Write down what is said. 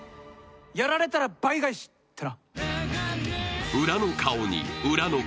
やられたら倍返しってな。